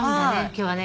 今日はね。